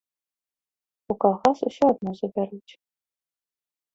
У калгас усё адно забяруць.